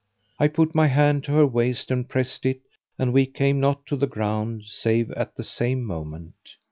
I put my hand to her waist and pressed it and we came not to the ground save at the same moment.